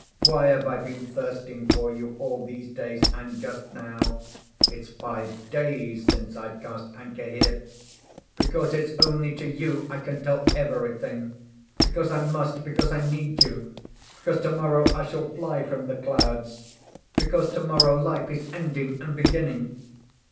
Why have I been thirsting for you all these days, and just now? (It's five days since I've cast anchor here.) Because it's only to you I can tell everything; because I must, because I need you, because to‐morrow I shall fly from the clouds, because to‐morrow life is ending and beginning.